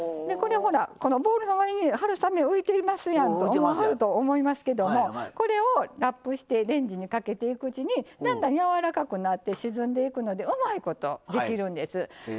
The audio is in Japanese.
ボウルの中に春雨、浮いていますやんと思わはると思いますけどこれをラップしてレンジにかけていくうちにやわらかくなって沈んでいくのでうまいことできるんです。